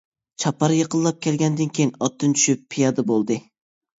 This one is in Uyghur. چاپار يېقىنلاپ كەلگەندىن كېيىن ئاتتىن چۈشۈپ پىيادە بولدى.